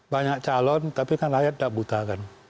banyak calon tapi kan rakyat tidak buta kan